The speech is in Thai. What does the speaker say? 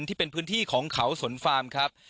ที่เป็นพื้นที่ของเขาสนฟาร์มครับ